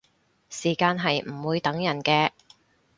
時間係唔會等人嘅